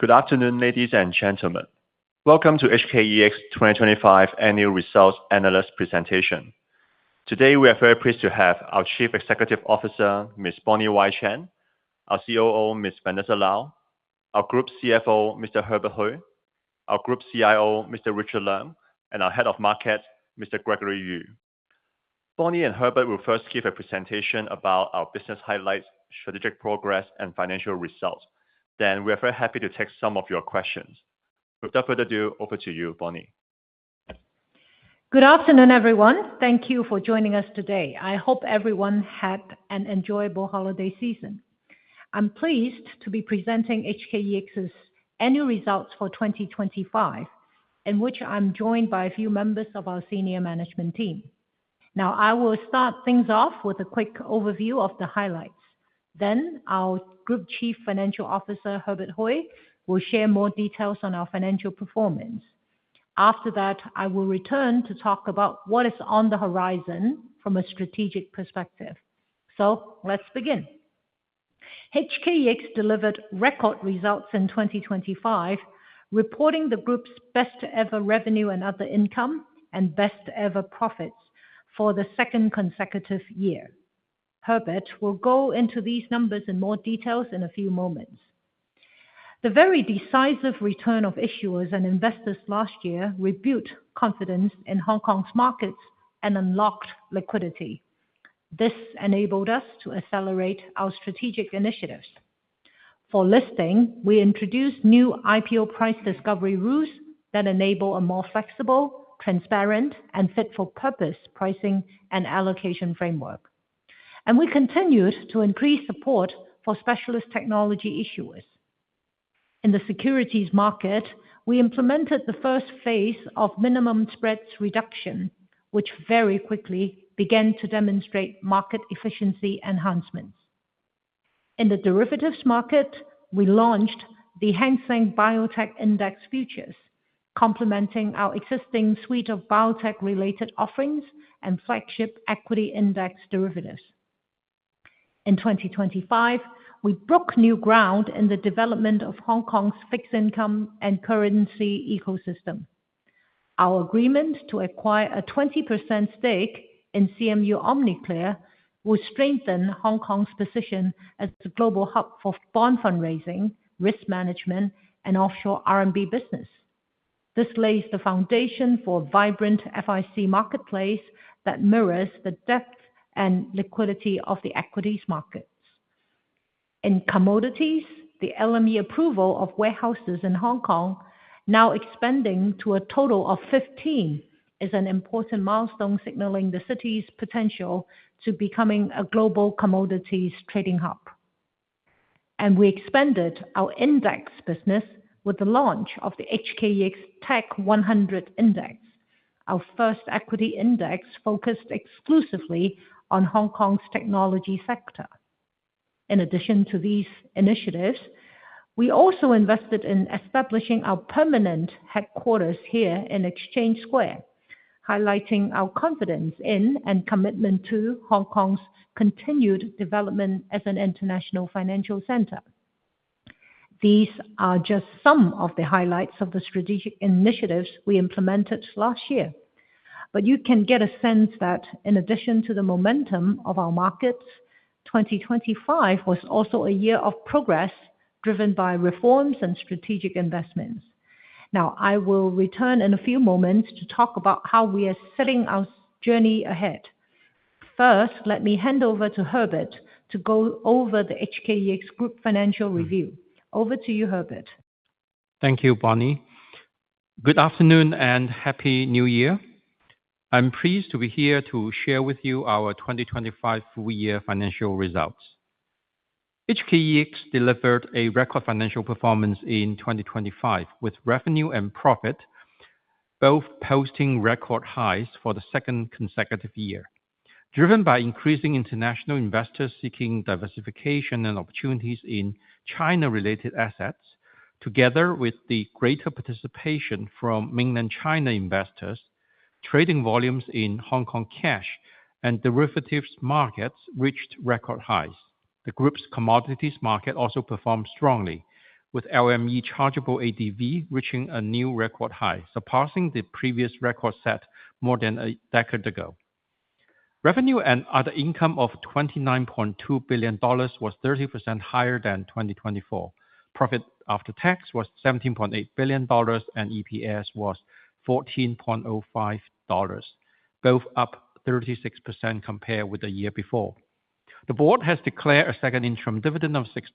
Good afternoon, ladies and gentlemen. Welcome to HKEX 2025 Annual Results Analyst Presentation. Today, we are very pleased to have our Chief Executive Officer, Ms. Bonnie Y. Chan, our Chief Operating Office, Ms. Vanessa Lau, our Group Chief Financial Officer, Mr. Herbert Hui, our Group Chief Information Officer, Mr. Richard Leung, and our Head of Market, Mr. Gregory Yu. Bonnie and Herbert will first give a presentation about our business highlights, strategic progress, and financial results. We're very happy to take some of your questions. Without further ado, over to you, Bonnie. Good afternoon, everyone. Thank you for joining us today. I hope everyone had an enjoyable holiday season. I'm pleased to be presenting HKEX's annual results for 2025, in which I'm joined by a few members of our senior management team. I will start things off with a quick overview of the highlights. Our Group Chief Financial Officer, Herbert Hui, will share more details on our financial performance. After that, I will return to talk about what is on the horizon from a strategic perspective. Let's begin. HKEX delivered record results in 2025, reporting the group's best-ever revenue and other income and best-ever profits for the second consecutive year. Herbert will go into these numbers in more details in a few moments. The very decisive return of issuers and investors last year rebuilt confidence in Hong Kong's markets and unlocked liquidity. This enabled us to accelerate our strategic initiatives. For listing, we introduced new IPO price discovery rules that enable a more flexible, transparent, and fit-for-purpose pricing and allocation framework. We continued to increase support for specialist technology issuers. In the securities market, we implemented the first phase of minimum spreads reduction, which very quickly began to demonstrate market efficiency enhancements. In the derivatives market, we launched the Hang Seng Biotech Index Futures, complementing our existing suite of biotech-related offerings and flagship equity index derivatives. In 2025, we broke new ground in the development of Hong Kong's fixed income and currency ecosystem. Our agreement to acquire a 20% stake in CMU OmniClear will strengthen Hong Kong's position as the global hub for bond fundraising, risk management, and offshore RMB business. This lays the foundation for a vibrant FIC marketplace that mirrors the depth and liquidity of the equities markets. In commodities, the LME approval of warehouses in Hong Kong, now expanding to a total of 15, is an important milestone, signaling the city's potential to becoming a global commodities trading hub. We expanded our index business with the launch of the HKEX Tech 100 Index, our first equity index focused exclusively on Hong Kong's technology sector. In addition to these initiatives, we also invested in establishing our permanent headquarters here in Exchange Square, highlighting our confidence in and commitment to Hong Kong's continued development as an international financial center. These are just some of the highlights of the strategic initiatives we implemented last year. You can get a sense that in addition to the momentum of our markets, 2025 was also a year of progress, driven by reforms and strategic investments. I will return in a few moments to talk about how we are setting our journey ahead. Let me hand over to Herbert to go over the HKEX Group financial review. Over to you, Herbert. Thank you, Bonnie. Good afternoon and happy New Year. I'm pleased to be here to share with you our 2025 full year financial results. HKEX delivered a record financial performance in 2025, with revenue and profit both posting record highs for the second consecutive year. Driven by increasing international investors seeking diversification and opportunities in China-related assets, together with the greater participation from mainland China investors, trading volumes in Hong Kong cash and derivatives markets reached record highs. The group's commodities market also performed strongly, with LME chargeable ADV reaching a new record high, surpassing the previous record set more than a decade ago. Revenue and other income of 29.2 billion dollars was 30% higher than 2024. Profit after tax was 17.8 billion dollars, and EPS was 14.05 dollars, both up 36% compared with the year before. The board has declared a second interim dividend of 6.52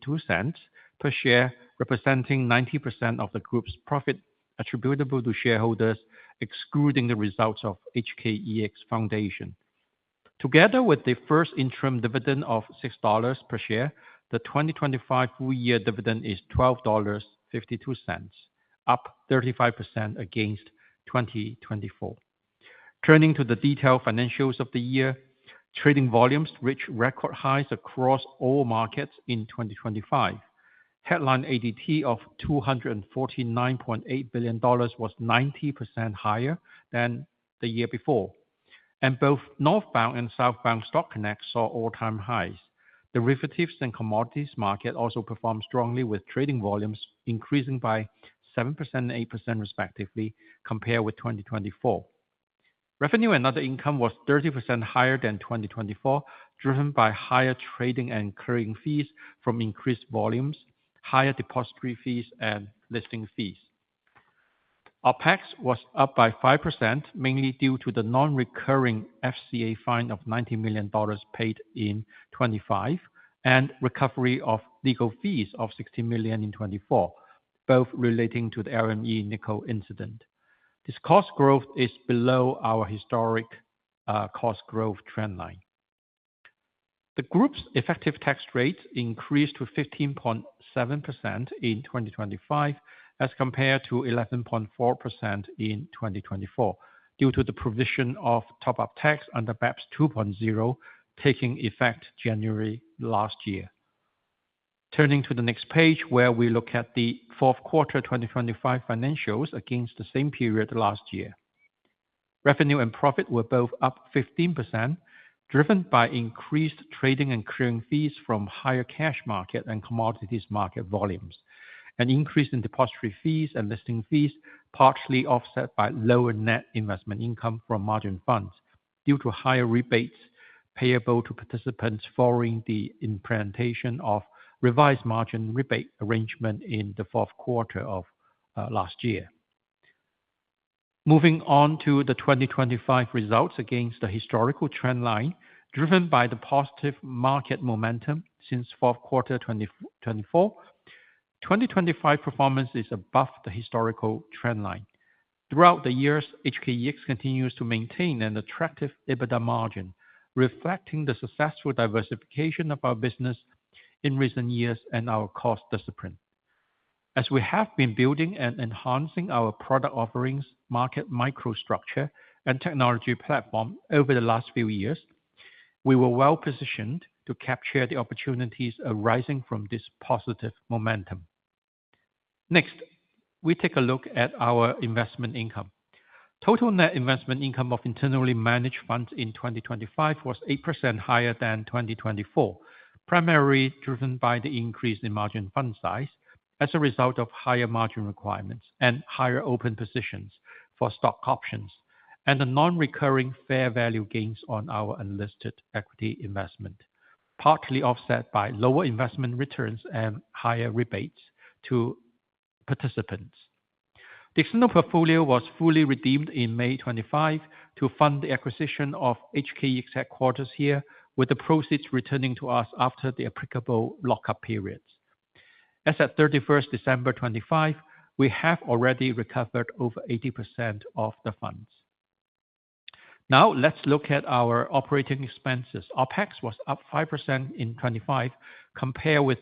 dollar per share, representing 90% of the group's profit attributable to shareholders, excluding the results of HKEX Foundation. Together with the first interim dividend of 6 dollars per share, the 2025 full year dividend is 12.52 dollars, up 35% against 2024. Turning to the detailed financials of the year, trading volumes reached record highs across all markets in 2025. Headline ADT of 249.8 billion dollars was 90% higher than the year before. Both Northbound and Southbound Stock Connect saw all-time highs. Derivatives and commodities market also performed strongly, with trading volumes increasing by 7% and 8% respectively, compared with 2024. Revenue and other income was 30% higher than 2024, driven by higher trading and clearing fees from increased volumes, higher depository fees, and listing fees. OPEX was up by 5%, mainly due to the non-recurring FCA fine of 90 million dollars paid in 2025, and recovery of legal fees of 60 millionn in 2024, both relating to the LME nickel incident. This cost growth is below our historic cost growth trend line. The group's effective tax rate increased to 15.7% in 2025, as compared to 11.4% in 2024, due to the provision of top-up tax under BEPS 2.0, taking effect January last year. Turning to the next page, where we look at the Q4 2025 financials against the same period last year. Revenue and profit were both up 15%, driven by increased trading and clearing fees from higher cash market and commodities market volumes, an increase in depository fees and listing fees, partially offset by lower net investment income from margin funds due to higher rebates payable to participants following the implementation of revised margin rebate arrangement in the Q4 of last year. Moving on to the 2025 results against the historical trend line, driven by the positive market momentum since Q4 2024. 2025 performance is above the historical trend line. Throughout the years, HKEX continues to maintain an attractive EBITDA margin, reflecting the successful diversification of our business in recent years and our cost discipline. As we have been building and enhancing our product offerings, market microstructure, and technology platform over the last few years, we were well-positioned to capture the opportunities arising from this positive momentum. Next, we take a look at our investment income. Total net investment income of internally managed funds in 2025 was 8% higher than 2024, primarily driven by the increase in margin fund size as a result of higher margin requirements and higher open positions for stock options, and the non-recurring fair value gains on our unlisted equity investment, partly offset by lower investment returns and higher rebates to participants. The external portfolio was fully redeemed in May 2025 to fund the acquisition of HKEX headquarters here, with the proceeds returning to us after the applicable lock-up periods. As at December 31st, 2025, we have already recovered over 80% of the funds. Now, let's look at our operating expenses. OPEX was up 5% in 2025 compared with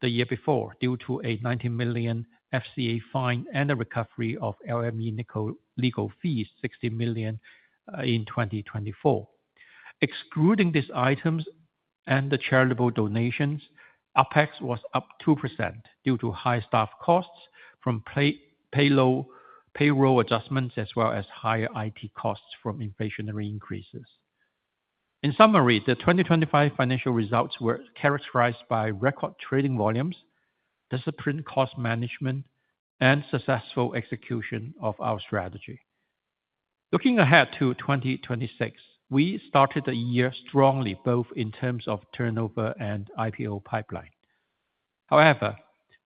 the year before, due to a 90 million FCA fine and a recovery of LME nickel legal fees, 60 million, in 2024. Excluding these items and the charitable donations, OPEX was up 2% due to high staff costs from payroll adjustments, as well as higher IT costs from inflationary increases. In summary, the 2025 financial results were characterized by record trading volumes, disciplined cost management, and successful execution of our strategy. Looking ahead to 2026, we started the year strongly, both in terms of turnover and IPO pipeline. However,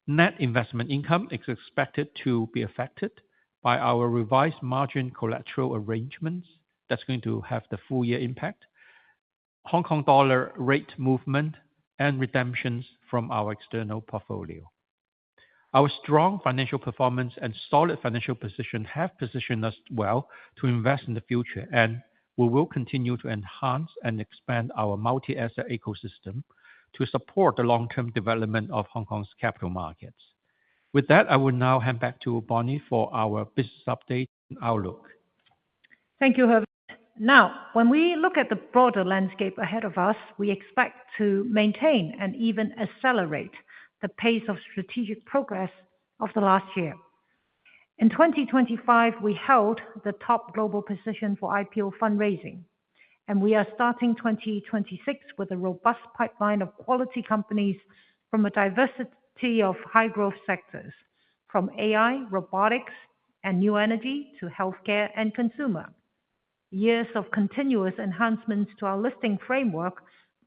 net investment income is expected to be affected by our revised margin collateral arrangements. That's going to have the full year impact, Hong Kong dollar rate movement, and redemptions from our external portfolio. Our strong financial performance and solid financial position have positioned us well to invest in the future. We will continue to enhance and expand our multi-asset ecosystem to support the long-term development of Hong Kong's capital markets. With that, I will now hand back to Bonnie for our business update and outlook. Thank you, Herbert. When we look at the broader landscape ahead of us, we expect to maintain and even accelerate the pace of strategic progress of the last year. In 2025, we held the top global position for IPO fundraising. We are starting 2026 with a robust pipeline of quality companies from a diversity of high-growth sectors, from AI, robotics, and new energy, to healthcare and consumer. Years of continuous enhancements to our listing framework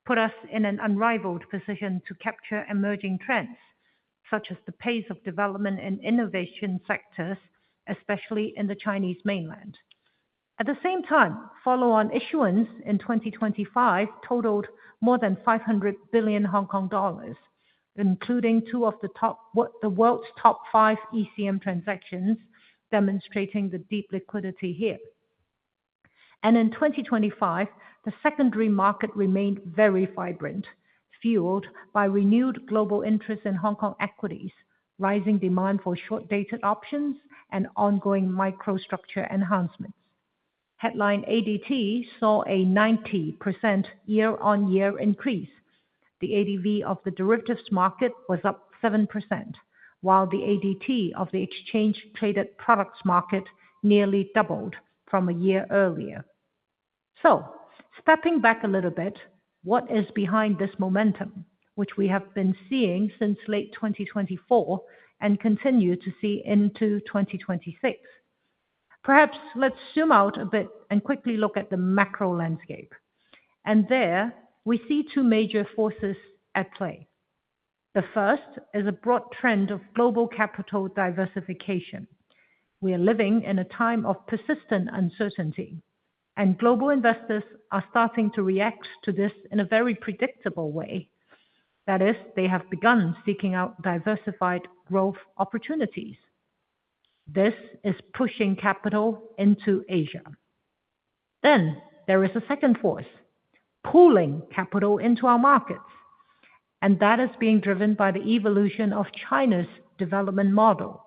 put us in an unrivaled position to capture emerging trends, such as the pace of development in innovation sectors, especially in the Chinese mainland. At the same time, follow-on issuance in 2025 totaled more than 500 billion Hong Kong dollars, including two of the world's top five ECM transactions, demonstrating the deep liquidity here. In 2025, the secondary market remained very vibrant, fueled by renewed global interest in Hong Kong equities, rising demand for short-dated options, and ongoing microstructure enhancements. Headline ADT saw a 90% year-on-year increase. The ADV of the derivatives market was up 7%, while the ADT of the exchange traded products market nearly doubled from a year earlier. Stepping back a little bit, what is behind this momentum, which we have been seeing since late 2024 and continue to see into 2026? Perhaps let's zoom out a bit and quickly look at the macro landscape. There we see two major forces at play. The first is a broad trend of global capital diversification. We are living in a time of persistent uncertainty, and global investors are starting to react to this in a very predictable way. That is, they have begun seeking out diversified growth opportunities. This is pushing capital into Asia. There is a second force, pooling capital into our markets, that is being driven by the evolution of China's development model.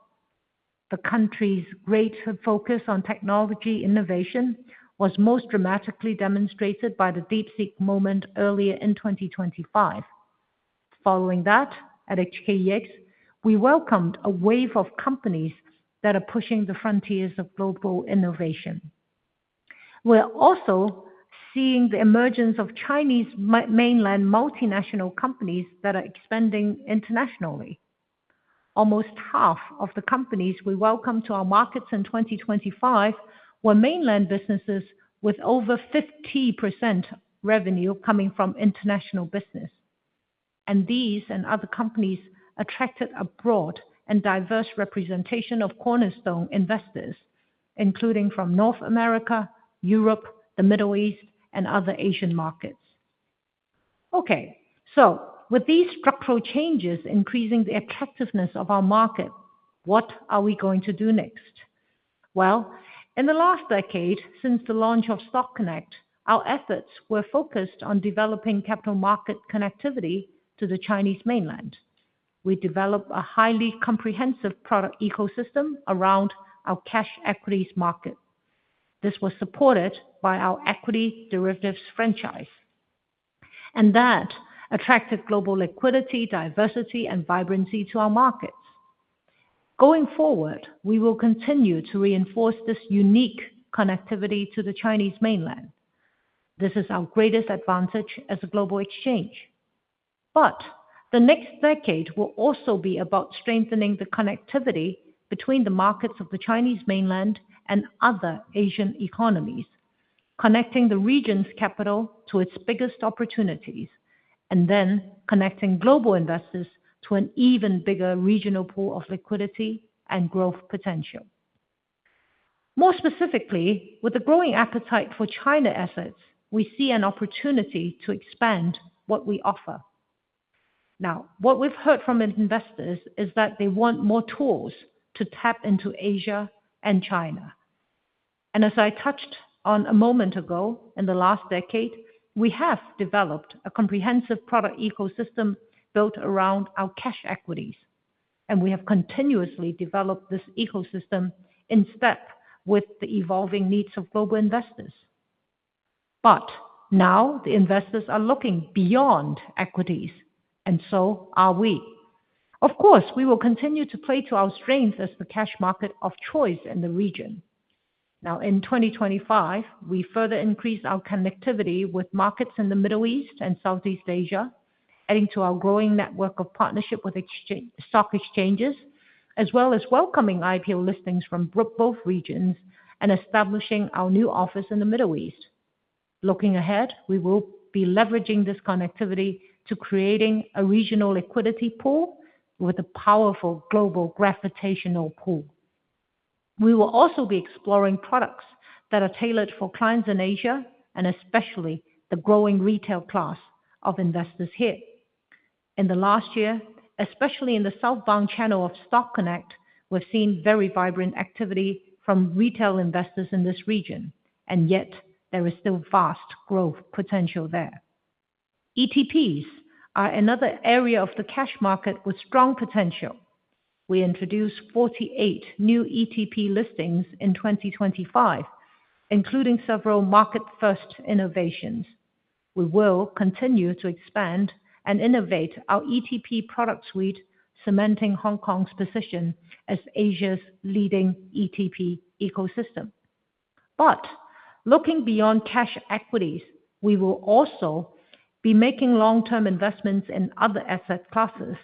The country's greater focus on technology innovation was most dramatically demonstrated by the DeepSeek moment earlier in 2025. Following that, at HKEX, we welcomed a wave of companies that are pushing the frontiers of global innovation. We're also seeing the emergence of Chinese mainland multinational companies that are expanding internationally. Almost half of the companies we welcomed to our markets in 2025 were mainland businesses, with over 50% revenue coming from international business. These and other companies attracted a broad and diverse representation of cornerstone investors, including from North America, Europe, the Middle East, and other Asian markets. Okay, with these structural changes increasing the attractiveness of our market, what are we going to do next? Well, in the last decade, since the launch of Stock Connect, our efforts were focused on developing capital market connectivity to the Chinese mainland. We developed a highly comprehensive product ecosystem around our cash equities market. This was supported by our equity derivatives franchise, that attracted global liquidity, diversity, and vibrancy to our markets. Going forward, we will continue to reinforce this unique connectivity to the Chinese mainland. This is our greatest advantage as a global exchange. The next decade will also be about strengthening the connectivity between the markets of the Chinese mainland and other Asian economies, connecting the region's capital to its biggest opportunities, connecting global investors to an even bigger regional pool of liquidity and growth potential. More specifically, with the growing appetite for China assets, we see an opportunity to expand what we offer. What we've heard from investors is that they want more tools to tap into Asia and China. As I touched on a moment ago, in the last decade, we have developed a comprehensive product ecosystem built around our cash equities, and we have continuously developed this ecosystem in step with the evolving needs of global investors. Now the investors are looking beyond equities, and so are we. Of course, we will continue to play to our strengths as the cash market of choice in the region. Now, in 2025, we further increased our connectivity with markets in the Middle East and Southeast Asia, adding to our growing network of partnership with stock exchanges, as well as welcoming IPO listings from both regions and establishing our new office in the Middle East. Looking ahead, we will be leveraging this connectivity to creating a regional liquidity pool with a powerful global gravitational pull. We will also be exploring products that are tailored for clients in Asia and especially the growing retail class of investors here. In the last year, especially in the southbound channel of Stock Connect, we've seen very vibrant activity from retail investors in this region, and yet there is still vast growth potential there. ETPs are another area of the cash market with strong potential. We introduced 48 new ETP listings in 2025, including several market-first innovations. We will continue to expand and innovate our ETP product suite, cementing Hong Kong's position as Asia's leading ETP ecosystem. Looking beyond cash equities, we will also be making long-term investments in other asset classes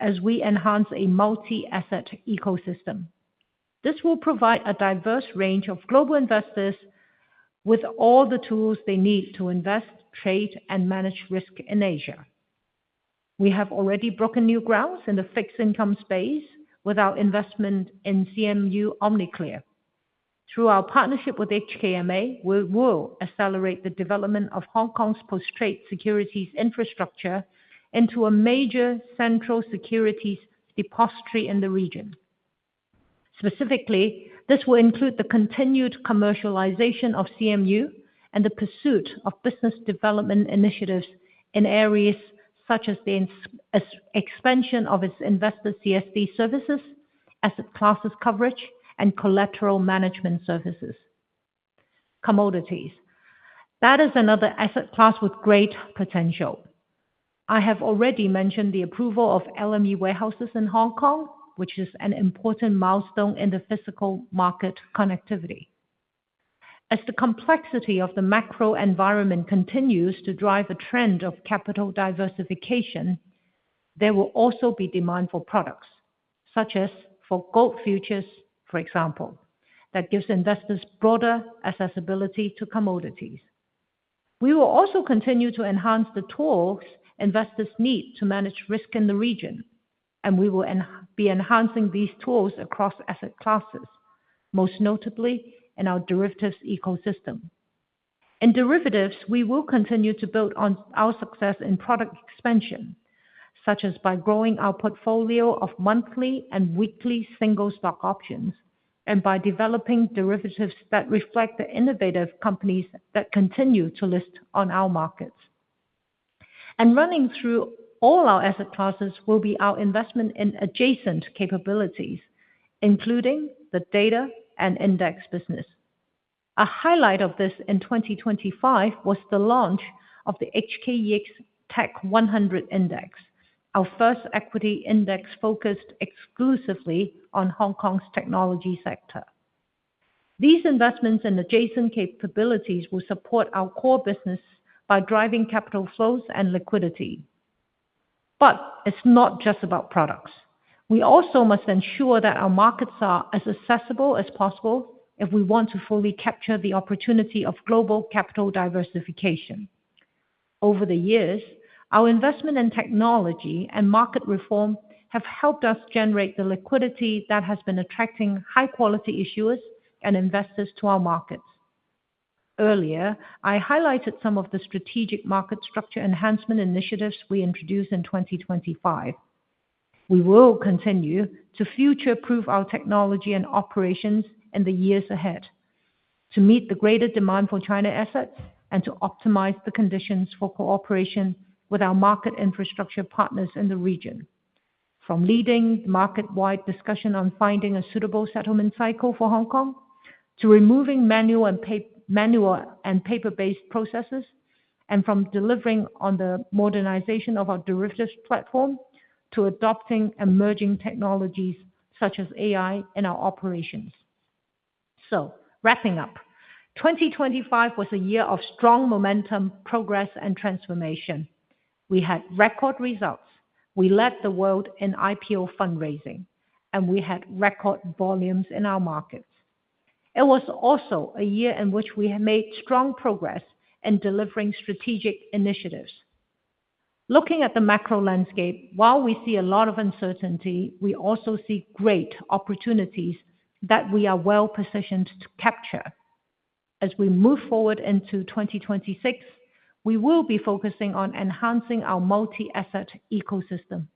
as we enhance a multi-asset ecosystem. This will provide a diverse range of global investors with all the tools they need to invest, trade, and manage risk in Asia. We have already broken new grounds in the fixed income space with our investment in CMU OmniClear. Through our partnership with HKMA, we will accelerate the development of Hong Kong's post-trade securities infrastructure into a major central securities depository in the region. Specifically, this will include the continued commercialization of CMU and the pursuit of business development initiatives in areas such as the expansion of its investor CSD services, asset classes coverage, and collateral management services, commodities. That is another asset class with great potential. I have already mentioned the approval of LME warehouses in Hong Kong, which is an important milestone in the physical market connectivity. As the complexity of the macro environment continues to drive a trend of capital diversification, there will also be demand for products, such as for gold futures, for example, that gives investors broader accessibility to commodities. We will also continue to enhance the tools investors need to manage risk in the region, and we will be enhancing these tools across asset classes, most notably in our derivatives ecosystem. In derivatives, we will continue to build on our success in product expansion, such as by growing our portfolio of monthly and weekly single stock options, and by developing derivatives that reflect the innovative companies that continue to list on our markets. Running through all our asset classes will be our investment in adjacent capabilities, including the data and index business. A highlight of this in 2025 was the launch of the HKEX Tech 100 Index, our first equity index focused exclusively on Hong Kong's technology sector. These investments in adjacent capabilities will support our core business by driving capital flows and liquidity. It's not just about products. We also must ensure that our markets are as accessible as possible if we want to fully capture the opportunity of global capital diversification. Over the years, our investment in technology and market reform have helped us generate the liquidity that has been attracting high-quality issuers and investors to our markets. Earlier, I highlighted some of the strategic market structure enhancement initiatives we introduced in 2025. We will continue to future-proof our technology and operations in the years ahead to meet the greater demand for China assets and to optimize the conditions for cooperation with our market infrastructure partners in the region. From leading market-wide discussion on finding a suitable settlement cycle for Hong Kong, to removing manual and paper-based processes, and from delivering on the modernization of our derivatives platform, to adopting emerging technologies such as AI in our operations. Wrapping up, 2025 was a year of strong momentum, progress, and transformation. We had record results. We led the world in IPO fundraising, and we had record volumes in our markets. It was also a year in which we have made strong progress in delivering strategic initiatives. Looking at the macro landscape, while we see a lot of uncertainty, we also see great opportunities that we are well-positioned to capture. As we move forward into 2026, we will be focusing on enhancing our multi-asset ecosystem,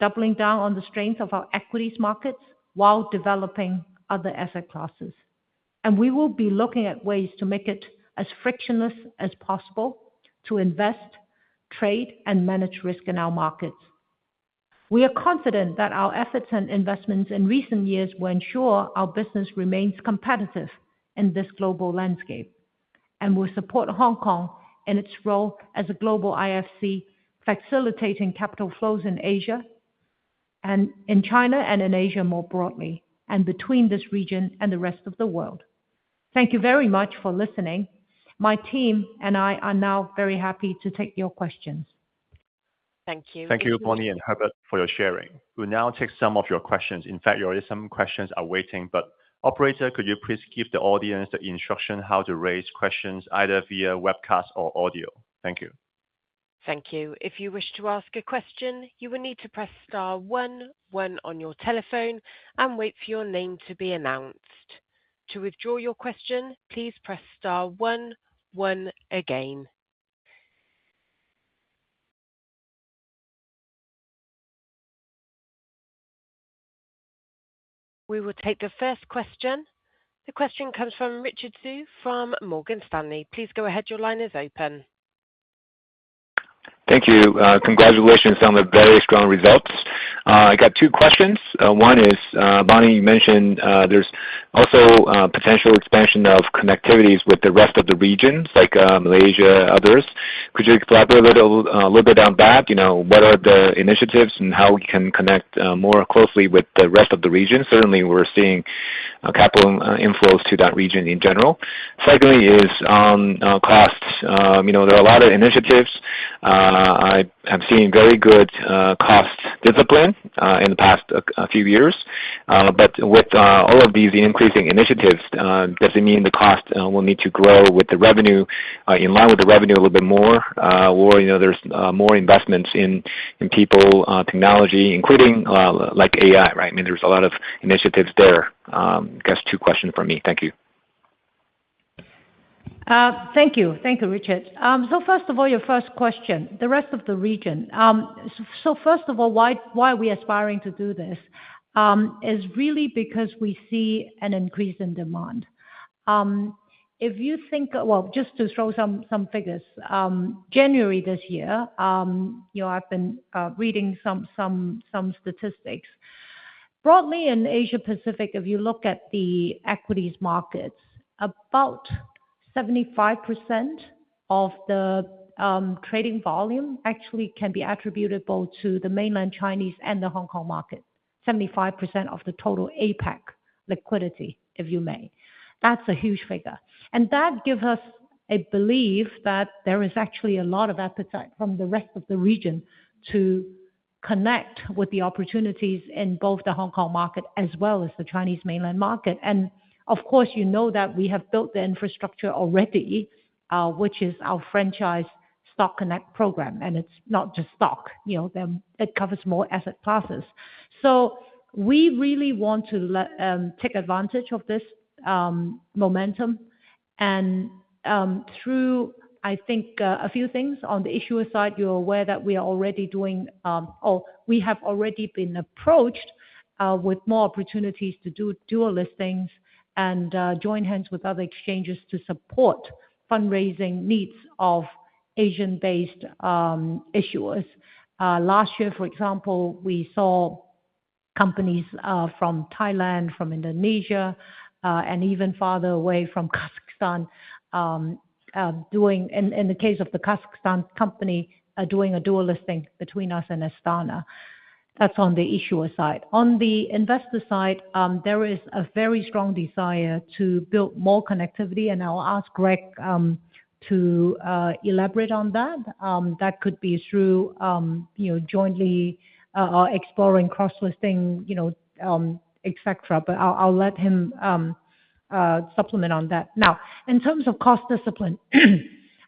doubling down on the strength of our equities markets while developing other asset classes. We will be looking at ways to make it as frictionless as possible to invest, trade, and manage risk in our markets. We are confident that our efforts and investments in recent years will ensure our business remains competitive in this global landscape, and will support Hong Kong in its role as a global IFC, facilitating capital flows in Asia and in China, and in Asia more broadly, and between this region and the rest of the world. Thank you very much for listening. My team and I are now very happy to take your questions. Thank you. Thank you, Bonnie and Herbert, for your sharing. We'll now take some of your questions. In fact, there are some questions are waiting, but operator, could you please give the audience the instruction how to raise questions, either via webcast or audio? Thank you. Thank you. If you wish to ask a question, you will need to press star one one on your telephone and wait for your name to be announced. To withdraw your question, please press star one one again. We will take the first question. The question comes from Richard Xu from Morgan Stanley. Please go ahead. Your line is open. Thank you. Congratulations on the very strong results. I got two questions. One is, Bonnie, you mentioned there's also potential expansion of connectivities with the rest of the regions, like Malaysia, others. Could you elaborate a little bit on that? You know, what are the initiatives, how we can connect more closely with the rest of the region? Certainly, we're seeing capital inflows to that region in general. Secondly is, on costs. You know, there are a lot of initiatives. I have seen very good cost discipline in the past a few years. With all of these increasing initiatives, does it mean the cost will need to grow with the revenue in line with the revenue a little bit more? You know, there's more investments in people, technology, including like AI, right? I mean, there's a lot of initiatives there. I guess two questions from me. Thank you. Thank you. Thank you, Richard. First of all, your first question, the rest of the region. First of all, why are we aspiring to do this? Is really because we see an increase in demand. Well, just to throw some figures. January this year, you know, I've been reading some statistics. Broadly in Asia-Pacific, if you look at the equities markets, about 75% of the trading volume actually can be attributable to the Mainland Chinese and the Hong Kong market. 75% of the total APAC liquidity, if you may. That's a huge figure, that gives us a belief that there is actually a lot of appetite from the rest of the region to connect with the opportunities in both the Hong Kong market as well as the Chinese mainland market. Of course, you know that we have built the infrastructure already, which is our franchise Stock Connect program, it's not just stock, you know, it covers more asset classes. We really want to take advantage of this momentum, through, I think, a few things. On the issuer side, you're aware that we are already doing, we have already been approached with more opportunities to do dual listings, join hands with other exchanges to support fundraising needs of Asian-based issuers. Last year, for example, we saw companies from Thailand, from Indonesia, and even farther away from Kazakhstan, in the case of the Kazakhstan company, doing a dual listing between us and Astana. That's on the issuer side. On the investor side, there is a very strong desire to build more connectivity, and I'll ask Greg to elaborate on that. That could be through, you know, jointly exploring cross-listing, you know, et cetera. I'll let him supplement on that. In terms of cost discipline,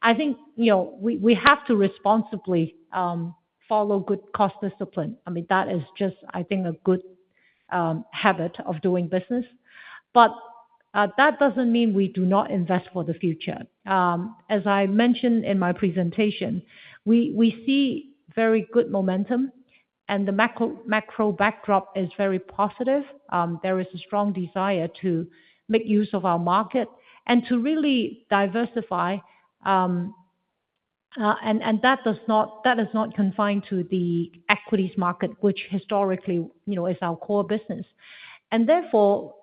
I think, you know, we have to responsibly follow good cost discipline. I mean, that is just, I think, a good habit of doing business. That doesn't mean we do not invest for the future. As I mentioned in my presentation, we see very good momentum, and the macro backdrop is very positive. There is a strong desire to make use of our market and to really diversify, and that is not confined to the equities market, which historically, you know, is our core business. Therefore,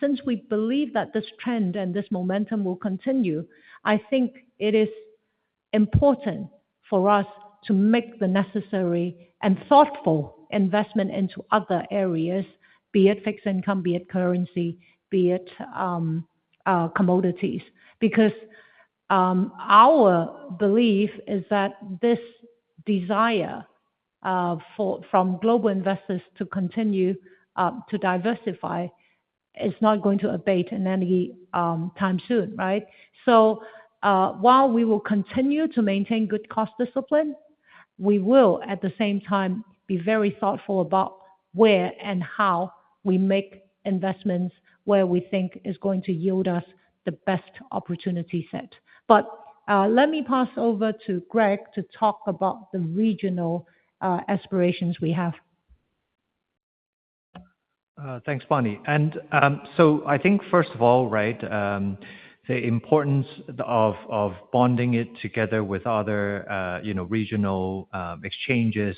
since we believe that this trend and this momentum will continue, I think it is important for us to make the necessary and thoughtful investment into other areas, be it fixed income, be it currency, be it commodities. Our belief is that this desire for, from global investors to continue to diversify is not going to abate in anytime soon, right? While we will continue to maintain good cost discipline, we will, at the same time, be very thoughtful about where and how we make investments, where we think is going to yield us the best opportunity set. Let me pass over to Greg to talk about the regional aspirations we have. Thanks, Bonnie. I think, first of all, right, the importance of bonding it together with other, you know, regional exchanges,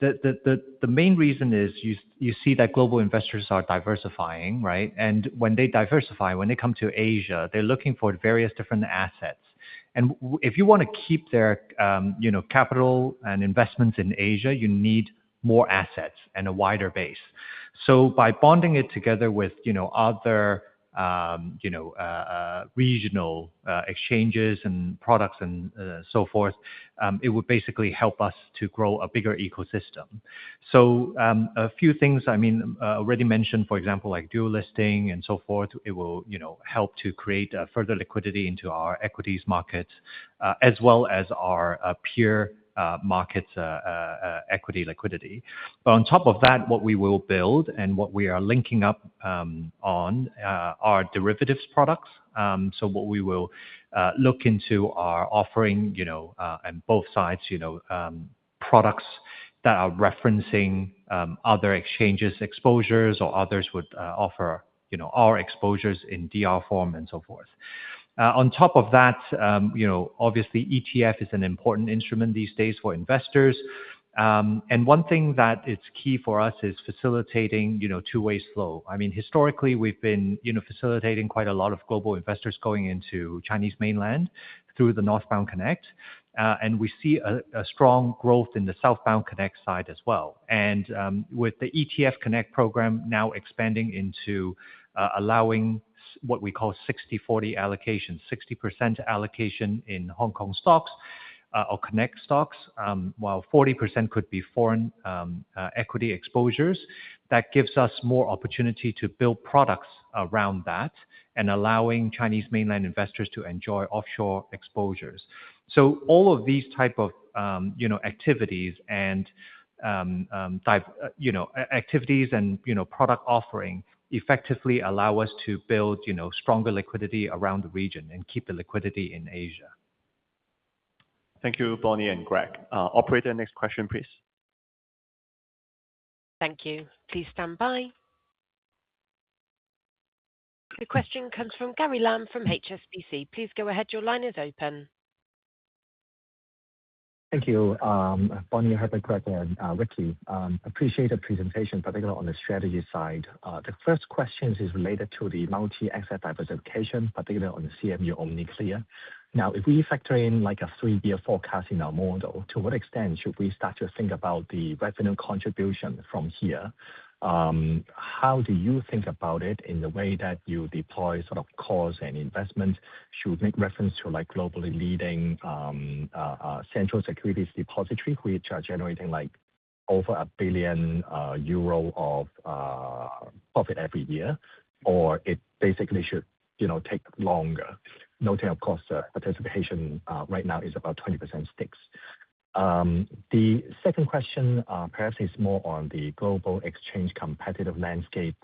the main reason is you see that global investors are diversifying, right? When they diversify, when they come to Asia, they're looking for various different assets. If you wanna keep their, you know, capital and investments in Asia, you need more assets and a wider base. By bonding it together with, you know, other, you know, regional exchanges and products and so forth, it would basically help us to grow a bigger ecosystem. A few things, I mean, already mentioned, for example, like dual listing and so forth, it will, you know, help to create further liquidity into our equities markets, as well as our pure markets equity liquidity. On top of that, what we will build and what we are linking up on are derivatives products. What we will look into are offering, you know, on both sides, you know, products that are referencing other exchanges exposures, or others would offer, you know, our exposures in DR form and so forth. On top of that, you know, obviously ETF is an important instrument these days for investors. One thing that it's key for us is facilitating, you know, two-way flow. I mean, historically, we've been, you know, facilitating quite a lot of global investors going into Chinese mainland through the Northbound Connect. We see a strong growth in the Southbound Connect side as well. With the ETF Connect program now expanding into what we call 60/40 allocation, 60% allocation in Hong Kong stocks, or Connect stocks, while 40% could be foreign equity exposures. That gives us more opportunity to build products around that and allowing Chinese mainland investors to enjoy offshore exposures. All of these type of, you know, activities and type, you know, activities and, you know, product offering effectively allow us to build, you know, stronger liquidity around the region and keep the liquidity in Asia. Thank you, Bonnie and Greg. Operator, next question, please. Thank you. Please stand by. The question comes from Gary Lam from HSBC. Please go ahead. Your line is open. Thank you, Bonnie, Herbert, Greg, and Ricky. Appreciate the presentation, particularly on the strategy side. The first question is related to the multi-asset diversification, particularly on the CMU OmniClear. Now, if we factor in, like, a three-year forecast in our model, to what extent should we start to think about the revenue contribution from here? How do you think about it in the way that you deploy sort of costs and investment? Should we make reference to, like, globally leading central securities depository, which are generating, like, over 1 billion euro of profit every year, or it basically should, you know, take longer? Noting, of course, participation right now is about 20% stakes. The second question, perhaps is more on the global exchange competitive landscape,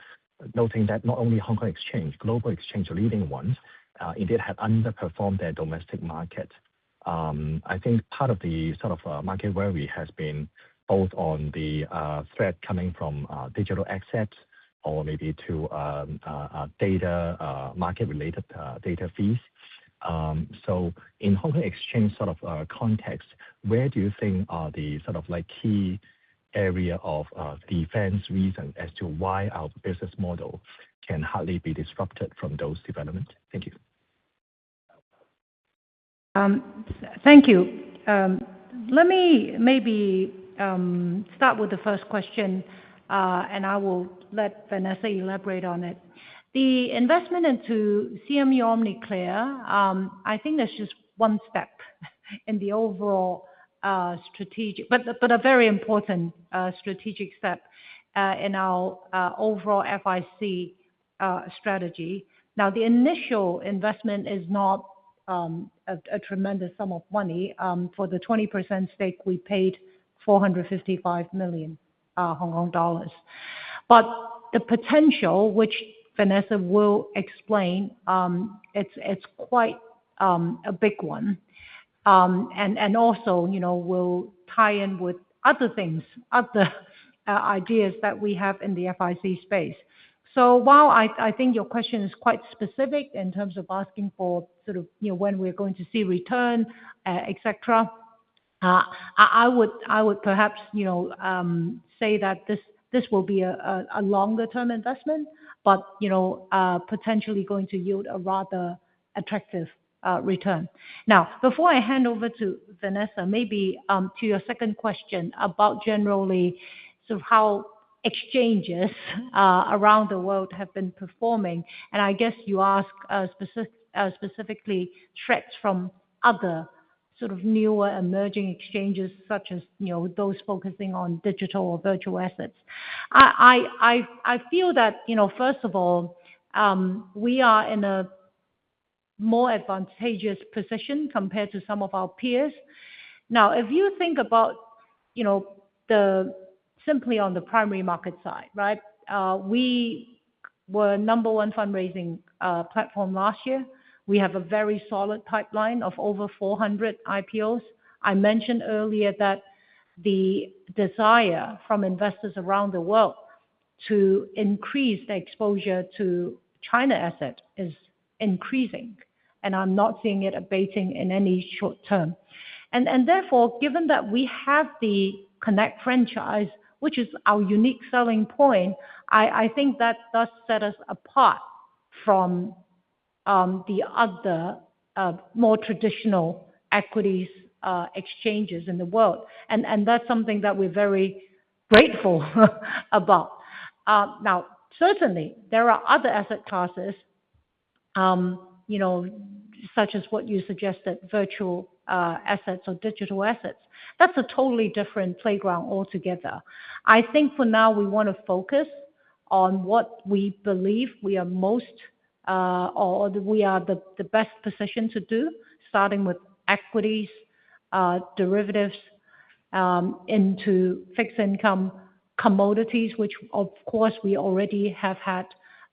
noting that not only Hong Kong Exchange, global exchange, leading ones, indeed have underperformed their domestic market. I think part of the sort of market worry has been both on the threat coming from digital assets or maybe to data, market-related data fees. In Hong Kong Exchange sort of context, where do you think are the sort of, like, key area of defense reason as to why our business model can hardly be disrupted from those developments? Thank you. Thank you. Let me maybe start with the first question, I will let Vanessa elaborate on it. The investment into CMU OmniClear, I think that's just one step in the overall, a very important strategic step in our overall FIC strategy. The initial investment is not a tremendous sum of money. For the 20% stake, we paid 455 million Hong Kong dollars. The potential, which Vanessa will explain, it's quite a big one. Also, you know, we'll tie in with other things, other ideas that we have in the FIC space. While I think your question is quite specific in terms of asking for sort of, you know, when we're going to see return, et cetera, I would perhaps, you know, say that this will be a longer term investment, but, you know, potentially going to yield a rather attractive return. Before I hand over to Vanessa, maybe to your second question about generally, sort of how exchanges around the world have been performing, and I guess you ask specifically threats from other sort of newer emerging exchanges, such as, you know, those focusing on digital or virtual assets. I feel that, you know, first of all, we are in a more advantageous position compared to some of our peers. If you think about, you know, the simply on the primary market side, right? We were number one fundraising platform last year. We have a very solid pipeline of over 400 IPOs. I mentioned earlier that the desire from investors around the world to increase their exposure to China assets is increasing, and I'm not seeing it abating in any short term. Therefore, given that we have the Connect franchise, which is our unique selling point, I think that does set us apart from the other more traditional equities exchanges in the world. That's something that we're very grateful about. Now, certainly there are other asset classes, you know, such as what you suggested, virtual assets or digital assets. That's a totally different playground altogether. I think for now, we wanna focus on what we believe we are most, or we are the best positioned to do, starting with equities, derivatives, into fixed income commodities, which of course, we already have had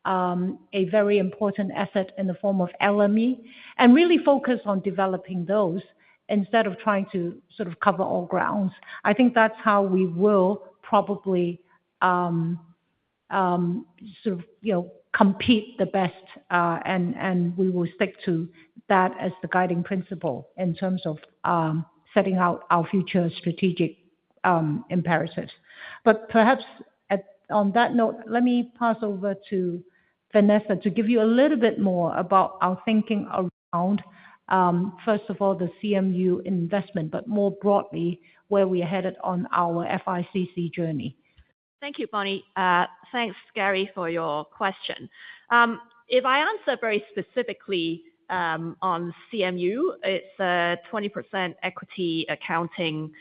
a very important asset in the form of LME, and really focus on developing those instead of trying to sort of cover all grounds. I think that's how we will probably, sort of, you know, compete the best, and we will stick to that as the guiding principle in terms of setting out our future strategic imperatives. Perhaps on that note, let me pass over to Vanessa to give you a little bit more about our thinking around first of all, the CMU investment, but more broadly, where we are headed on our FICC journey. Thank you, Bonnie. Thanks, Gary, for your question. If I answer very specifically on CMU, it's a 20% equity accounting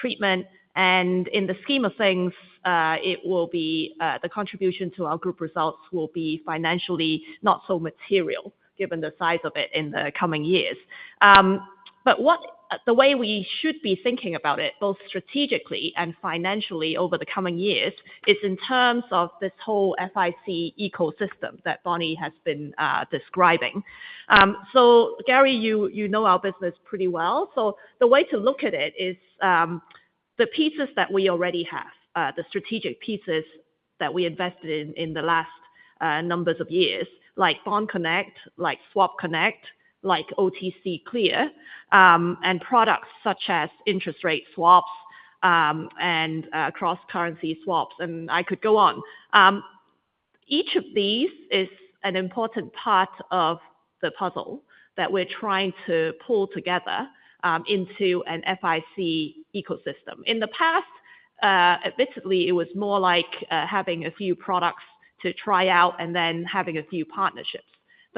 treatment, and in the scheme of things, it will be the contribution to our group results will be financially not so material, given the size of it in the coming years. The way we should be thinking about it, both strategically and financially over the coming years, is in terms of this whole FIC ecosystem that Bonnie has been describing. Gary, you know our business pretty well. The way to look at it is, the pieces that we already have, the strategic pieces that we invested in the last numbers of years, like Bond Connect, like Swap Connect, like OTC Clear, and products such as interest rate swaps, and cross-currency swaps, and I could go on. Each of these is an important part of the puzzle that we're trying to pull together into an FIC ecosystem. In the past, basically, it was more like having a few products to try out and then having a few partnerships.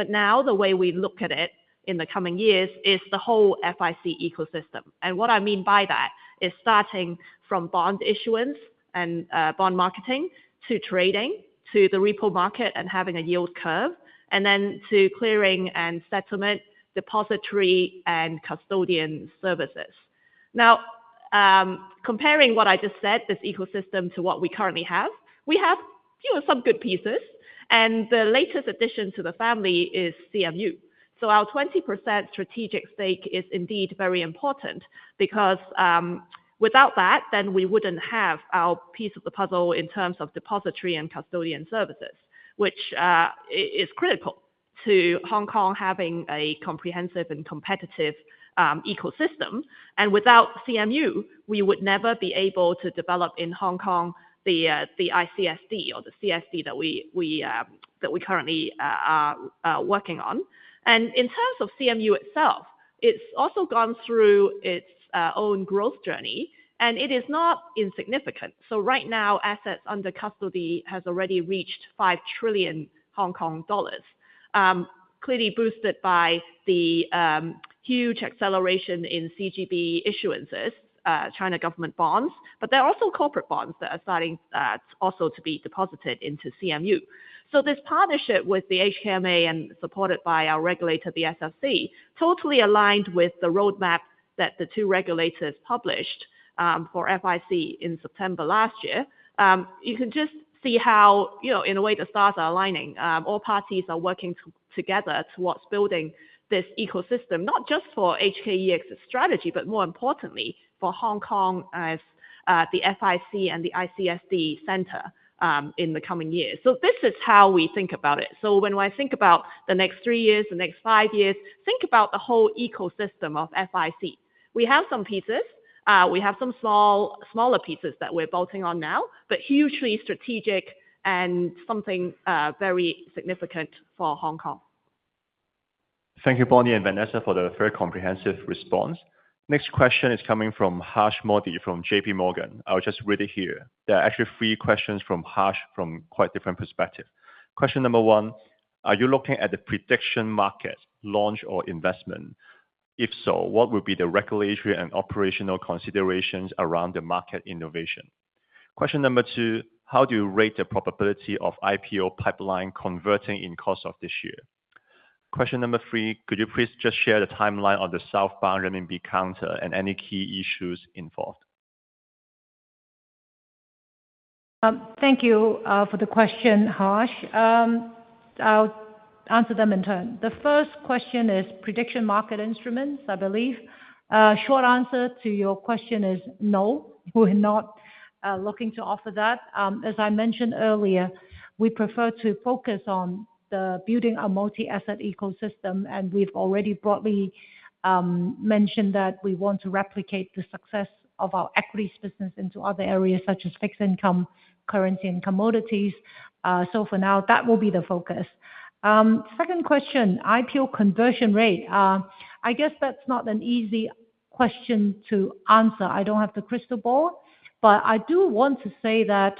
Now, the way we look at it in the coming years is the whole FIC ecosystem. What I mean by that is starting from bond issuance and bond marketing, to trading, to the repo market and having a yield curve, and then to clearing and settlement, depository and custodian services. Now, comparing what I just said, this ecosystem to what we currently have, we have, you know, some good pieces, and the latest addition to the family is CMU. Our 20% strategic stake is indeed very important because, without that, then we wouldn't have our piece of the puzzle in terms of depository and custodian services. Which is critical to Hong Kong having a comprehensive and competitive ecosystem. Without CMU, we would never be able to develop in Hong Kong the ICSD or the CSD that we currently are working on. In terms of CMU itself, it's also gone through its own growth journey, and it is not insignificant. Right now, assets under custody has already reached 5 trillion Hong Kong dollars. Clearly boosted by the huge acceleration in CGB issuances, China government bonds, there are also corporate bonds that are starting also to be deposited into CMU. This partnership with the HKMA and supported by our regulator, the SFC, totally aligned with the roadmap that the two regulators published for FIC in September last year. You can just see how, you know, in a way, the stars are aligning. All parties are working together towards building this ecosystem, not just for HKEX's strategy, but more importantly, for Hong Kong as the FIC and the ICSD center in the coming years. This is how we think about it. When I think about the next three years, the next five years, think about the whole ecosystem of FIC. We have some pieces. We have some smaller pieces that we're bolting on now, hugely strategic and something very significant for Hong Kong. Thank you, Bonnie and Vanessa, for the very comprehensive response. Question is coming from Harsh Modi, from JPMorgan. I'll just read it here. There are actually three questions from Harsh from quite different perspective. Question one: Are you looking at the prediction market launch or investment? If so, what would be the regulatory and operational considerations around the market innovation? Question two: How do you rate the probability of IPO pipeline converting in course of this year? Question three: Could you please just share the timeline on the southbound RMB counter and any key issues involved? Thank you for the question, Harsh. I'll answer them in turn. The first question is prediction market instruments, I believe. Short answer to your question is no, we're not looking to offer that. As I mentioned earlier, we prefer to focus on the building a multi-asset ecosystem, and we've already broadly mentioned that we want to replicate the success of our equities business into other areas such as fixed income, currency, and commodities. For now, that will be the focus. Second question, IPO conversion rate. I guess that's not an easy question to answer. I don't have the crystal ball, but I do want to say that.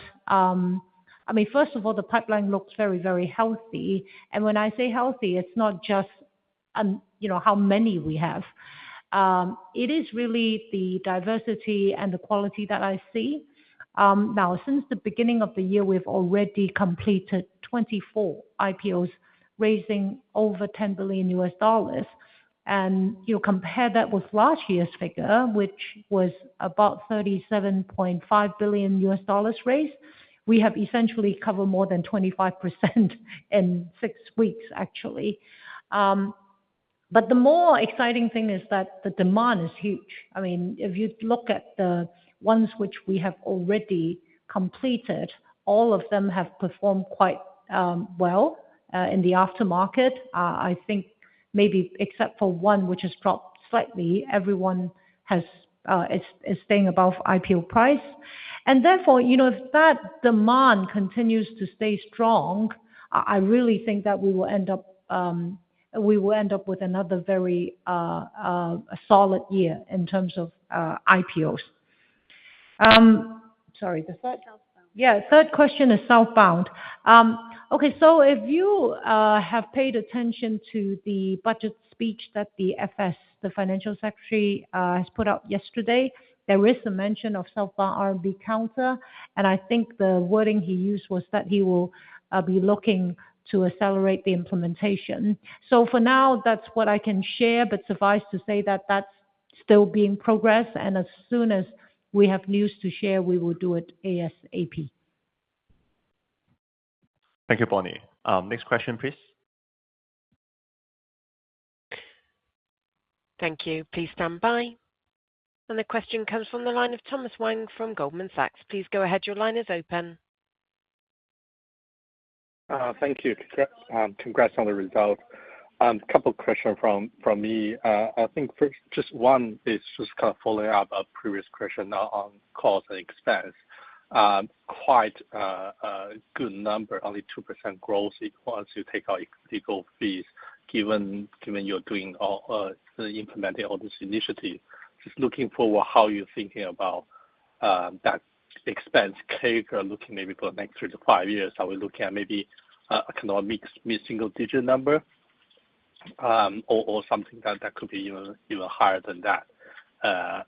I mean, first of all, the pipeline looks very, very healthy. When I say healthy, it's not just, you know, how many we have. It is really the diversity and the quality that I see. Now, since the beginning of the year, we've already completed 24 IPOs, raising over $10 billion. You compare that with last year's figure, which was about $37.5 billion raised, we have essentially covered more than 25% in six weeks, actually. The more exciting thing is that the demand is huge. I mean, if you look at the ones which we have already completed, all of them have performed quite well in the aftermarket. I think maybe except for one, which has dropped slightly, everyone is staying above IPO price. Therefore, you know, if that demand continues to stay strong, I really think that we will end up with another very solid year in terms of IPOs. Sorry, the Southbound. Yeah, third question is Southbound. If you have paid attention to the budget speech that the FS, the Financial Secretary, has put out yesterday, there is a mention of Southbound RMB counter, and I think the wording he used was that he will be looking to accelerate the implementation. For now, that's what I can share, but suffice to say that that's still being progressed, and as soon as we have news to share, we will do it ASAP. Thank you, Bonnie. Next question, please. Thank you. Please stand by. The question comes from the line of Thomas Wang from Goldman Sachs. Please go ahead. Your line is open. Thank you. Congrats on the result. A couple questions from me. I think for just one is just kind of following up a previous question now on cost and expense. Quite a good number, only 2% growth equals once you take out legal fees, given you're doing all implementing all this initiative. Just looking for how you're thinking about that expense curve, looking maybe for the next three-five years, are we looking at maybe kind of a mix mid-single digit number? Something that could be even higher than that.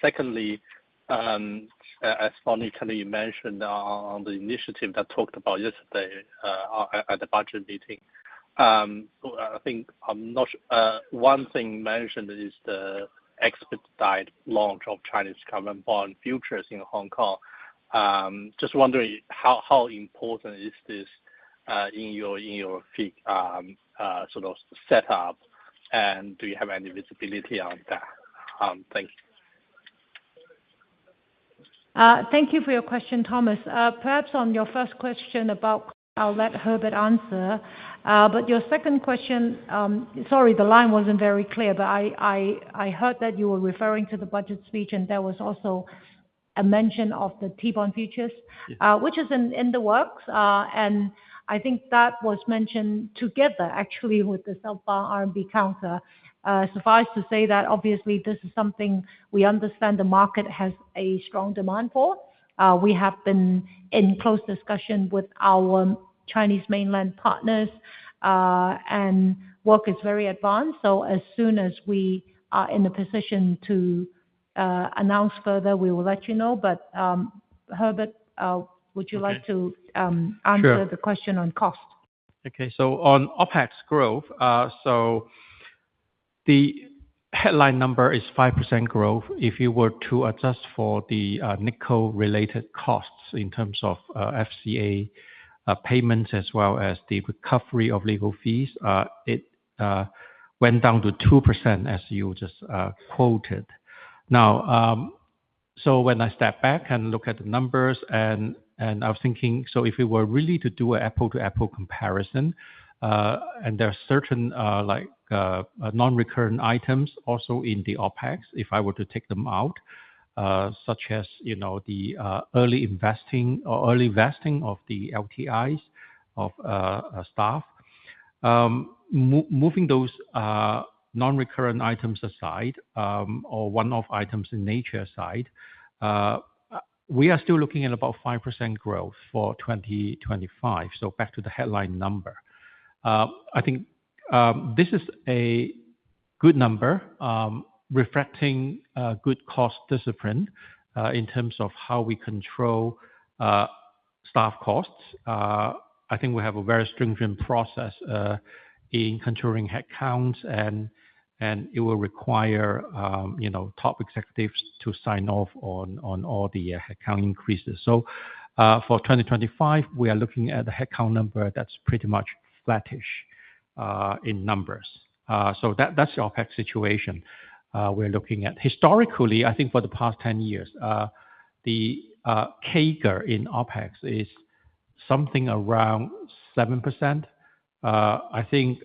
Secondly, as Bonnie kindly mentioned on the initiative that talked about yesterday, at the budget meeting. I think I'm not- One thing mentioned is the expedited launch of Chinese government bond futures in Hong Kong. Just wondering how important is this in your fee sort of setup, and do you have any visibility on that? Thank you. Thank you for your question, Thomas. Perhaps on your first question about I'll let Herbert answer. Your second question, sorry, the line wasn't very clear, but I heard that you were referring to the budget speech, and there was also a mention of the T-bond futures. Yes. Which is in the works. I think that was mentioned together, actually, with the Southbound RMB counter. Suffice to say that obviously this is something we understand the market has a strong demand for. We have been in close discussion with our Chinese mainland partners, and work is very advanced. As soon as we are in a position to announce further, we will let you know. Herbert. Okay. Sure. Answer the question on cost? Okay, on OPEX growth, the headline number is 5% growth. If you were to adjust for the NICO related costs in terms of FCA payments, as well as the recovery of legal fees, it went down to 2%, as you just quoted. Now, when I step back and look at the numbers and I was thinking, if we were really to do an apple-to-apple comparison, and there are certain, like, non-recurrent items also in the OPEX, if I were to take them out, such as, you know, the early investing or early vesting of the LTIs of staff. Moving those non-recurrent items aside, or one-off items in nature aside, we are still looking at about 5% growth for 2025. Back to the headline number. I think this is a good number, reflecting good cost discipline in terms of how we control staff costs. I think we have a very stringent process in controlling headcounts, and it will require, you know, top executives to sign off on all the headcount increases. For 2025, we are looking at a headcount number that's pretty much flattish in numbers. That's the OpEx situation we're looking at. Historically, I think for the past 10 years, the CAGR in OpEx is something around 7%. I think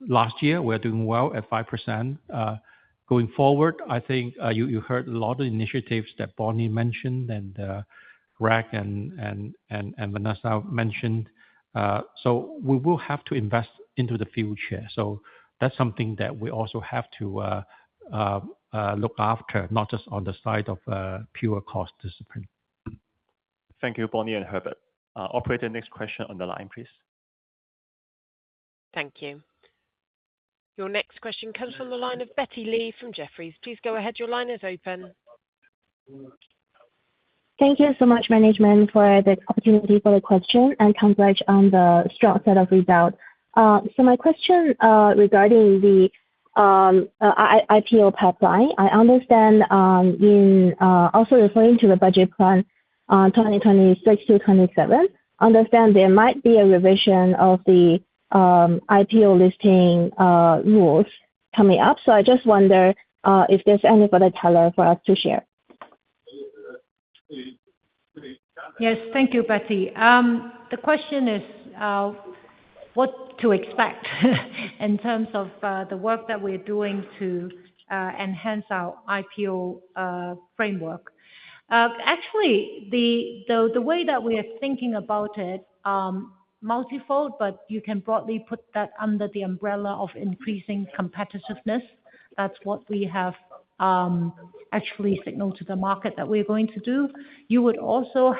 last year, we're doing well at 5%. Going forward, I think you heard a lot of initiatives that Bonnie mentioned, and Greg, and Vanessa mentioned. We will have to invest into the future. That's something that we also have to look after, not just on the side of pure cost discipline. Thank you, Bonnie and Herbert. Operator, next question on the line, please. Thank you. Your next question comes from the line of Betty Li from Jefferies. Please go ahead. Your line is open. Thank you so much, management, for the opportunity for the question and congrats on the strong set of results. My question regarding the IPO pipeline. I understand in also referring to the budget plan, 2026-2027, understand there might be a revision of the IPO listing rules coming up. I just wonder if there's any further color for us to share? Yes. Thank you, Betty. The question is what to expect, in terms of the work that we're doing to enhance our IPO framework. Actually, the way that we are thinking about it, multifold, but you can broadly put that under the umbrella of increasing competitiveness. That's what we have actually signaled to the market that we're going to do. You would also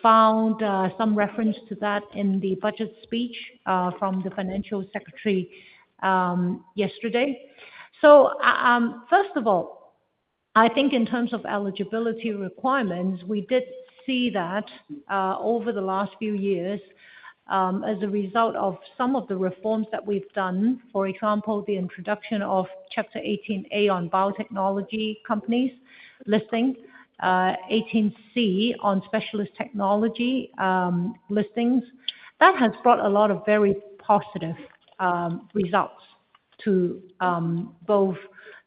have found some reference to that in the budget speech from the Financial Secretary yesterday. First of all, I think in terms of eligibility requirements, we did see that over the last few years, as a result of some of the reforms that we've done, for example, the introduction of Chapter 18A on biotechnology companies listing, 18C on specialist technology listings, that has brought a lot of very positive results to both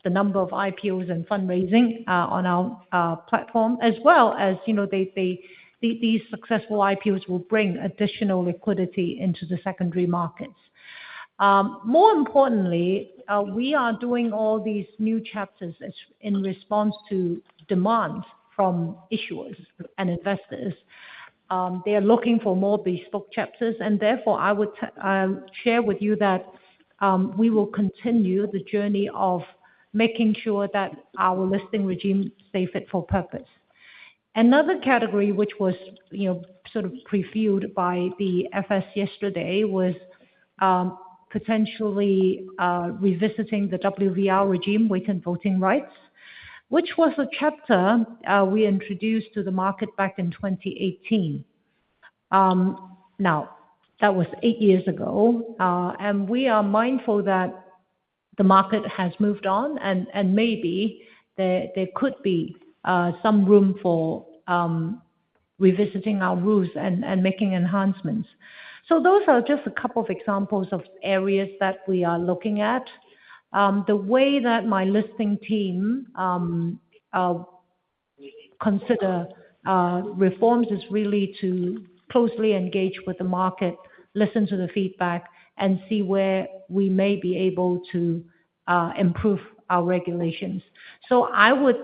the number of IPOs and fundraising on our platform, as well as, you know, these successful IPOs will bring additional liquidity into the secondary markets. More importantly, we are doing all these new chapters as in response to demand from issuers and investors. They are looking for more bespoke chapters, I would share with you that we will continue the journey of making sure that our listing regime stay fit for purpose. Another category which was, you know, sort of previewed by the FS yesterday, was potentially revisiting the WVR regime, weighted voting rights, which was a chapter we introduced to the market back in 2018. Now, that was eight years ago, and we are mindful that the market has moved on, and maybe there could be some room for revisiting our rules and making enhancements. Those are just a couple of examples of areas that we are looking at. The way that my listing team, consider reforms, is really to closely engage with the market, listen to the feedback, and see where we may be able to improve our regulations. I would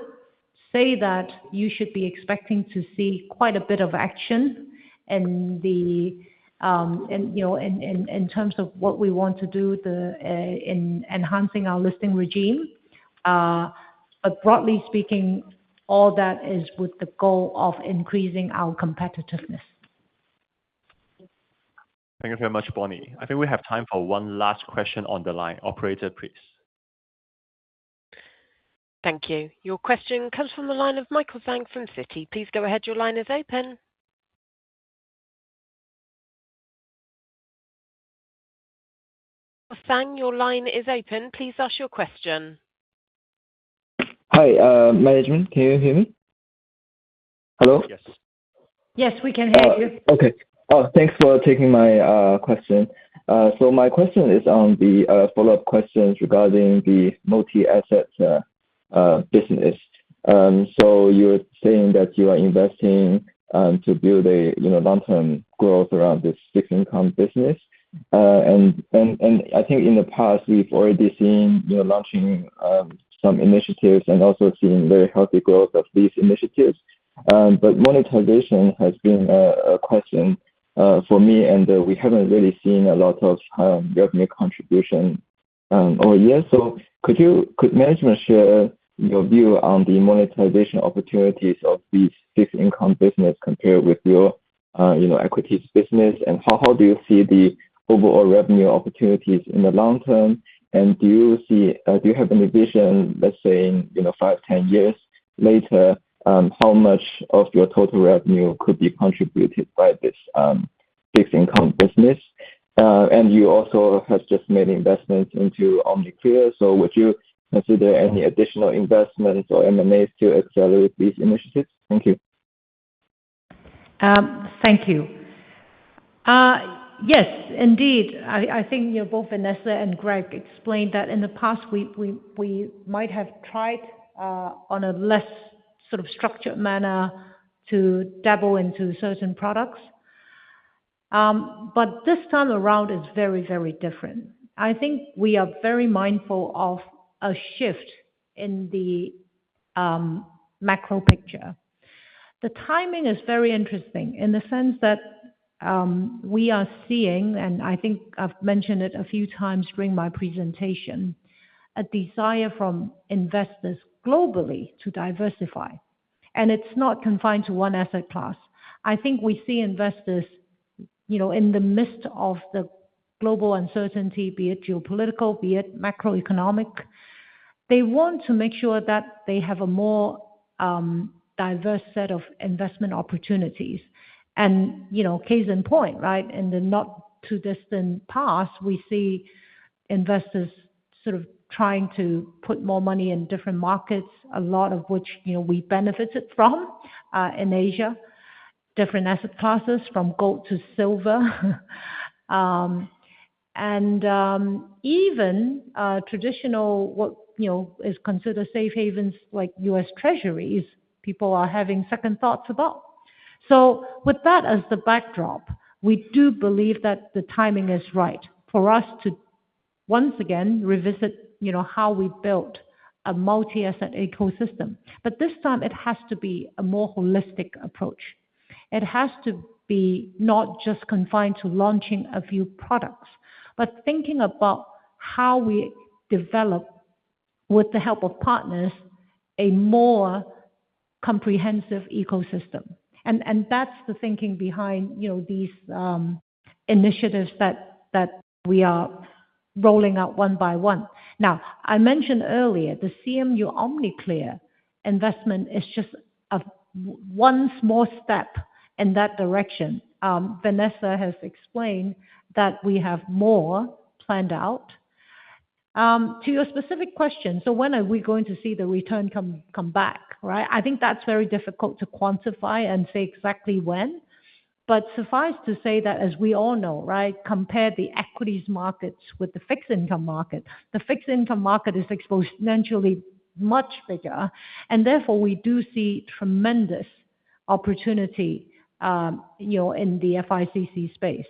say that you should be expecting to see quite a bit of action in the, you know, in terms of what we want to do the, in enhancing our listing regime. Broadly speaking, all that is with the goal of increasing our competitiveness. Thank you very much, Bonnie. I think we have time for one last question on the line. Operator, please. Thank you. Your question comes from the line of Michael Fang from Citi. Please go ahead. Your line is open. Fang, your line is open. Please ask your question. Hi, management, can you hear me? Hello? Yes. Yes, we can hear you. Okay. Oh, thanks for taking my question. My question is on the follow-up questions regarding the multi-asset business. You're saying that you are investing to build a, you know, long-term growth around this fixed income business. I think in the past, we've already seen, you know, launching some initiatives and also seeing very healthy growth of these initiatives. Monetization has been a question for me, and we haven't really seen a lot of revenue contribution over years. Could management share your view on the monetization opportunities of the fixed income business compared with your, you know, equities business? How do you see the overall revenue opportunities in the long term? Do you see— Do you have any vision, let's say, in, you know, five, 10 years later, how much of your total revenue could be contributed by this fixed income business? You also have just made investments into OmniClear. Would you consider any additional investments or MMAs to accelerate these initiatives? Thank you. Thank you. Yes, indeed. I think, you know, both Vanessa and Greg explained that in the past, we might have tried on a less sort of structured manner to dabble into certain products. This time around, it's very, very different. I think we are very mindful of a shift in the macro picture. The timing is very interesting in the sense that we are seeing, and I think I've mentioned it a few times during my presentation, a desire from investors globally to diversify, and it's not confined to one asset class. I think we see investors, you know, in the midst of the global uncertainty, be it geopolitical, be it macroeconomic. They want to make sure that they have a more diverse set of investment opportunities. You know, case in point, right? In the not-too-distant past, we see investors sort of trying to put more money in different markets, a lot of which, you know, we benefited from in Asia. Different asset classes from gold to silver. And even traditional, what you know, is considered safe havens like U.S. Treasuries, people are having second thoughts about. With that as the backdrop, we do believe that the timing is right for us to once again revisit, you know, how we built a multi-asset ecosystem. This time, it has to be a more holistic approach. It has to be not just confined to launching a few products, but thinking about how we develop, with the help of partners, a more comprehensive ecosystem. That's the thinking behind, you know, these initiatives that we are rolling out one by one. I mentioned earlier, the CMU OmniClear investment is just one small step in that direction. Vanessa has explained that we have more planned out. To your specific question, so when are we going to see the return come back, right? I think that's very difficult to quantify and say exactly when—suffice to say that as we all know, right? Compare the equities markets with the fixed income market. The fixed income market is exponentially much bigger, and therefore we do see tremendous opportunity, you know, in the FICC space.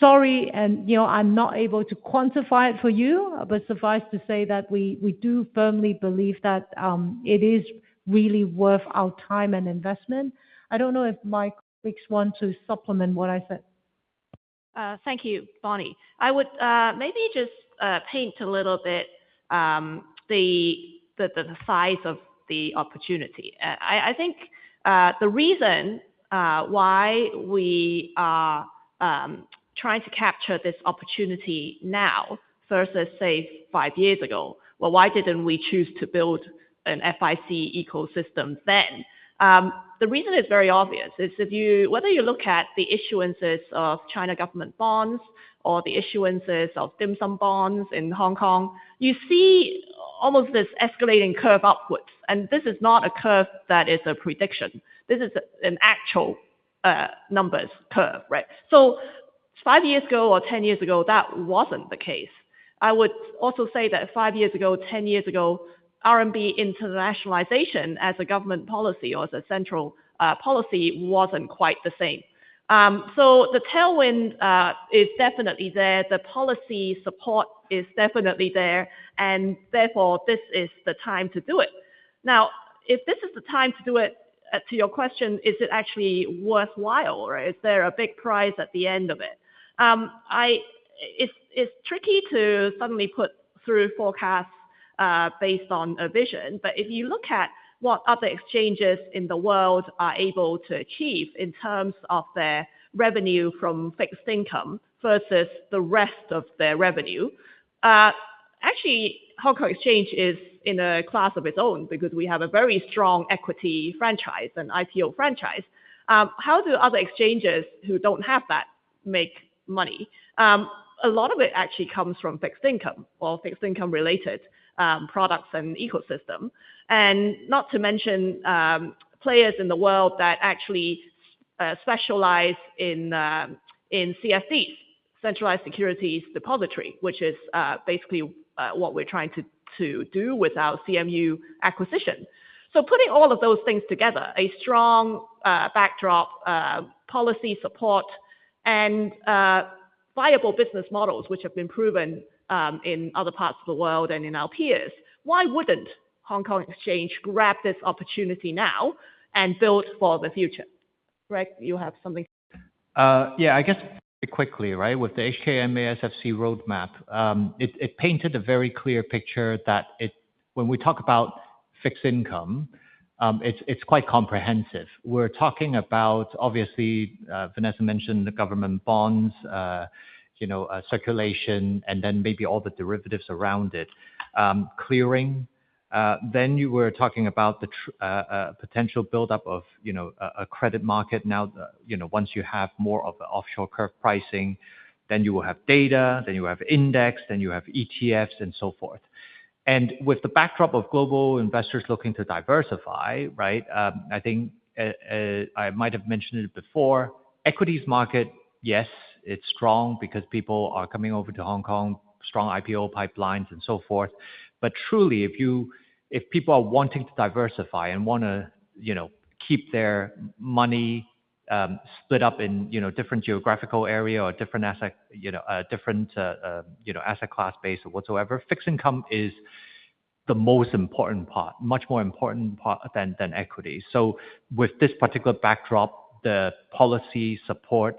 Sorry, you know, I'm not able to quantify it for you, but suffice to say that we do firmly believe that, it is really worth our time and investment. I don't know if my colleagues want to supplement what I said. Thank you, Bonnie. I would maybe just paint a little bit the size of the opportunity. I think the reason why we are trying to capture this opportunity now versus, say, five years ago, well, why didn't we choose to build an FIC ecosystem then? The reason is very obvious. It's if whether you look at the issuances of China government bonds or the issuances of dim sum bonds in Hong Kong, you see almost this escalating curve upwards, and this is not a curve that is a prediction. This is an actual numbers curve, right? Five years ago or 10 years ago, that wasn't the case. I would also say that five years ago, 10 years ago, RMB internationalization as a government policy or as a central policy, wasn't quite the same. The tailwind is definitely there, the policy support is definitely there, and therefore this is the time to do it. If this is the time to do it, to your question, is it actually worthwhile, or is there a big prize at the end of it? It's tricky to suddenly put through forecasts based on a vision, but if you look at what other exchanges in the world are able to achieve in terms of their revenue from fixed income versus the rest of their revenue, actually, Hong Kong Exchange is in a class of its own because we have a very strong equity franchise, an IPO franchise. How do other exchanges who don't have that make money? A lot of it actually comes from fixed income or fixed income-related products and ecosystem. Not to mention, players in the world that actually specialize in CSD, Centralized Securities Depository, which is basically what we're trying to do with our CMU acquisition. Putting all of those things together, a strong backdrop, policy support and viable business models which have been proven in other parts of the world and in our peers, why wouldn't Hong Kong Exchange grab this opportunity now and build for the future? Greg, you have something? Yeah, I guess quickly, right? With the HKMA SFC roadmap, it painted a very clear picture that when we talk about fixed income, it's quite comprehensive. We're talking about, obviously, Vanessa mentioned the government bonds, you know, circulation, and then maybe all the derivatives around it, clearing. You were talking about the potential buildup of, you know, a credit market. Once you have more of the offshore curve pricing, then you will have data, then you have index, then you have ETFs, and so forth. With the backdrop of global investors looking to diversify, right, I think I might have mentioned it before, equities market, yes, it's strong because people are coming over to Hong Kong, strong IPO pipelines and so forth. Truly, if people are wanting to diversify and wanna, you know, keep their money, split up in, you know, different geographical area or different asset, you know, different, you know, asset class base or whatsoever, fixed income is the most important part, much more important part than equity. With this particular backdrop, the policy support,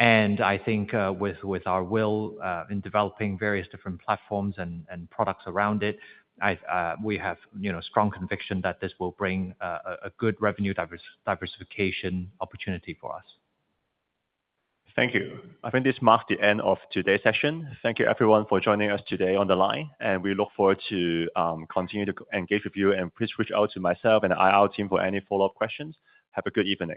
and I think, with our will in developing various different platforms and products around it, we have, you know, strong conviction that this will bring a good revenue diversification opportunity for us. Thank you. I think this marks the end of today's session. Thank you everyone for joining us today on the line. We look forward to continuing to engage with you, and please reach out to myself and our team for any follow-up questions. Have a good evening.